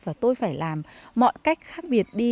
và tôi phải làm mọi cách khác biệt đi